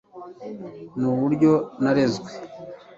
nuburyo narezwe